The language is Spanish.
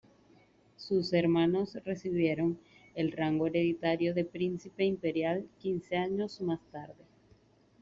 Sus hermanos recibieron el rango hereditario de príncipe imperial quince años más tarde.